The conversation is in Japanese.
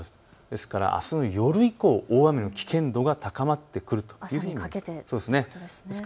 ですからあすの夜以降、大雨の危険度が高まってくるというふうに見られます。